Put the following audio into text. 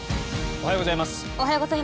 おはようございます。